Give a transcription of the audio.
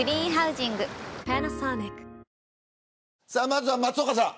まずは松岡さん。